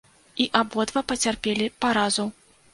І абодва пацярпелі паразу.